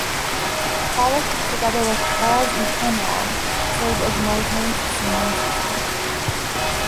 Pollack together with Charles E. Conrad served as Meisner's senior assistants.